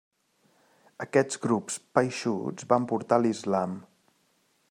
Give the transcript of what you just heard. Aquests grups paixtus van portar l'islam.